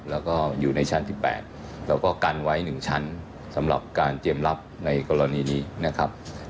แล้วก็อยู่ในชั้นที่๘แล้วก็กันไว้๑ชั้นสำหรับการเตรียมรับในกรณีนี้นะครับ